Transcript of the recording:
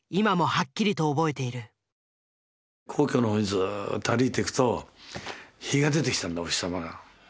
皇居の方にずっと歩いて行くと日が出てきたんだお日様が。